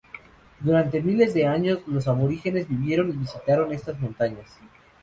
Durante miles de años los aborígenes vivieron y visitaron estas montañas.